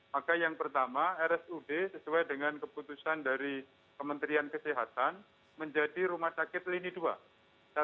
maka yang pertama rsud sesuai dengan keputusan dari kementerian kesehatan menjadi rumah sakit lini ii